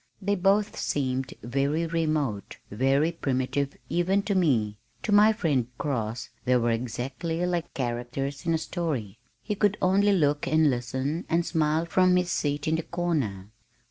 They both seemed very remote, very primitive even to me, to my friend Cross they were exactly like characters in a story. He could only look and listen and smile from his seat in the corner.